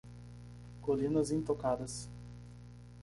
Colinas intocadas